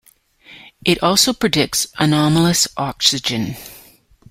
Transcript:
It also predicts anomalous oxygen.